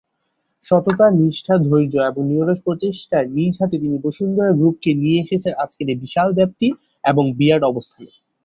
সততা, নিষ্ঠা, ধৈর্য এবং নিরলস প্রচেষ্টায় নিজ হাতে তিনি বসুন্ধরা গ্রুপকে নিয়ে এসেছেন আজকের এই বিশাল ব্যাপ্তি এবং বিরাট অবস্থানে।